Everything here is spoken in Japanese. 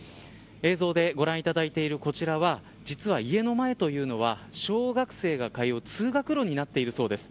映像でご覧いただいているこちらは実は家の前というのは小学生が通う、通学路になっているそうです。